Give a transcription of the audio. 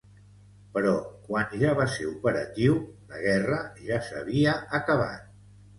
Però quan ja va ser operatiu, la guerra ja s'havia acabat.